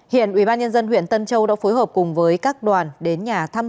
hiện ubnd huyện tân châu đã phối hợp cùng với các đoàn đến nhà thăm